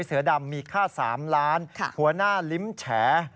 เสือดำมีค่า๓ล้านหัวหน้าลิ้มแฉ